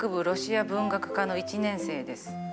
ロシア文学科の１年生です。